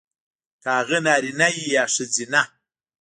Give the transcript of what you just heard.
کـه هغـه نـاريـنه وي يـا ښـځيـنه .